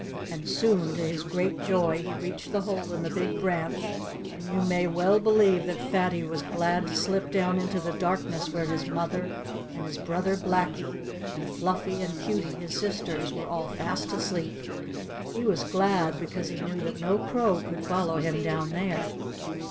And soon, to his great joy, he reached the hole in the big branch; and you may well believe that Fatty was glad to slip down into the darkness where his mother, and his brother Blackie, and Fluffy and Cutey his sisters, were all fast asleep. He was glad, because he knew that no crow could follow him down there.